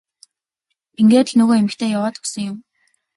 Ингээд л нөгөө эмэгтэй яваад өгсөн юм.